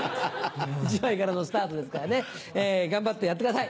１枚からのスタートですからね頑張ってやってください。